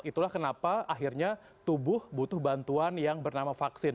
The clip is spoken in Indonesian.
itulah kenapa akhirnya tubuh butuh bantuan yang bernama vaksin